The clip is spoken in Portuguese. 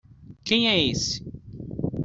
Quem é esse?